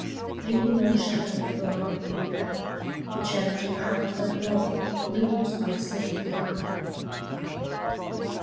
Thee no shadows blind Now: the change of hours that roll Leaves thy sleep behind.